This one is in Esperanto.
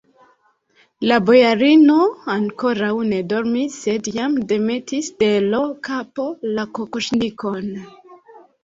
La bojarino ankoraŭ ne dormis, sed jam demetis de l' kapo la kokoŝnikon.